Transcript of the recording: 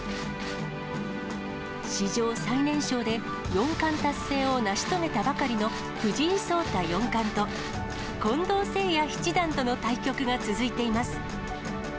史上最年少で四冠達成を成し遂げたばかりの藤井聡太四冠と、近藤誠也七段との対局が続いています。